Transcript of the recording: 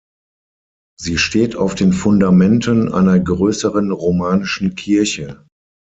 Sie steht auf den Fundamenten einer größeren romanischen Kirche.